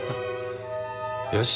よし！